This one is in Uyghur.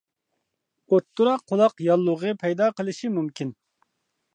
ئوتتۇرا قۇلاق ياللۇغى پەيدا قىلىشى مۇمكىن.